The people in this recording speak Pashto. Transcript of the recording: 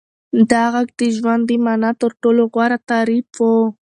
دا غږ د ژوند د مانا تر ټولو غوره تعریف و.